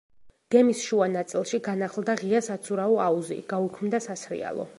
გემის შუა ნაწილში განახლდა ღია საცურაო აუზი, გაუქმდა სასრიალო.